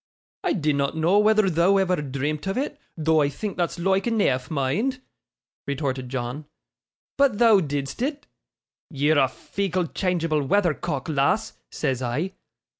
'I dinnot know whether thou'd ever dreamt of it, though I think that's loike eneaf, mind,' retorted John; 'but thou didst it. "Ye're a feeckle, changeable weathercock, lass," says I.